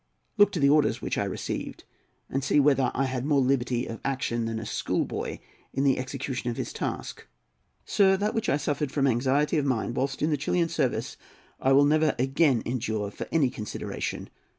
Look to the orders which I received, and see whether I had more liberty of action than a schoolboy in the execution of his task. Sir, that which I suffered from anxiety of mind whilst in the Chilian service, I will never again endure for any consideration.